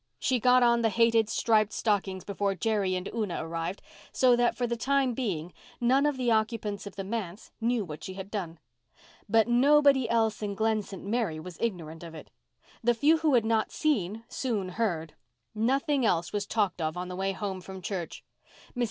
She got on the hated striped stockings before Jerry and Una arrived, so that for the time being none of the occupants of the manse knew what she had done. But nobody else in Glen St. Mary was ignorant of it. The few who had not seen soon heard. Nothing else was talked of on the way home from church. Mrs.